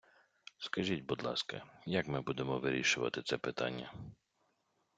Скажіть, будь ласка, як ми будемо вирішувати це питання?